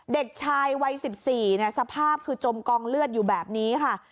เด็กชายวัย๑๔สภาพคือจมกองเลือดอยู่แบบนี้ค่ะ